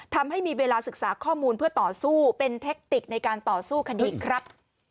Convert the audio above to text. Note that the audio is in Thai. ทำให้มีเวลาศึกษาข้อมูลเพื่อต่อสู้เป็นเทคติกในการต่อสู้คดีครับ